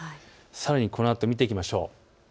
さらにこのあと見ていきましょう。